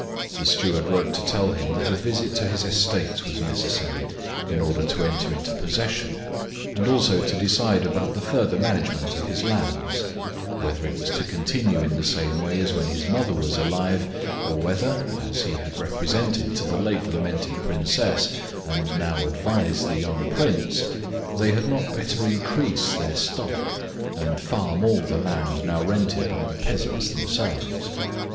The steward wrote to tell him that a visit to his estates was necessary in order to enter into possession, and also to decide about the further management of his lands; whether it was to continue in the same way as when his mother was alive, or whether, as he had represented to the late lamented princess, and now advised the young prince, they had not better increase their stock and farm all the land now rented by the peasants themselves.